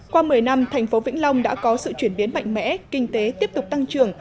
qua một mươi năm thành phố vĩnh long đã có sự chuyển biến mạnh mẽ kinh tế tiếp tục tăng trưởng